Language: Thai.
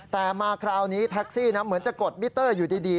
แต่มาคราวนี้แท็กซี่เหมือนจะกดมิเตอร์อยู่ดี